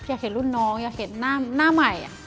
อยากเห็นรุ่นน้องอยากเห็นหน้าใหม่